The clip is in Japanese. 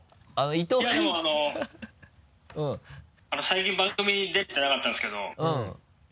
いやでもあの最近番組に出てなかったですけどうん。